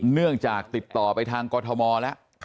เนื่องจากติดต่อไปทางกรทมแล้ว